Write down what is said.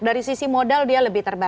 dari sisi modal dia lebih terbaik